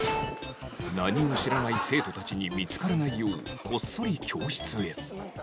何も知らない生徒たちに見つからないようこっそり教室へ